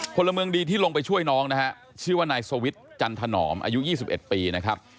พลเมืองดีที่ลงไปช่วยน้องนะฮะชื่อว่านายสวิทย์จันทนอมอายุ๒๑ปีนะครับ